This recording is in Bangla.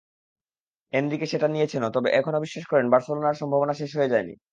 এনরিকে সেটা নিয়েছেনও, তবে এখনো বিশ্বাস করেন, বার্সেলোনার সম্ভাবনা শেষ হয়ে যায়নি।